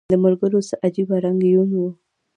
د ملګرو څه عجیبه رنګه یون و